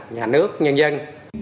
nhà nước nhân dân